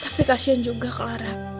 tapi kasihan juga clara